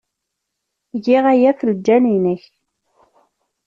Giɣ aya ɣef lǧal-nnek.